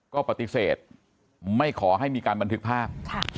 ก็ปฏิเสธไม่ขอให้มีการบันทึกภาพ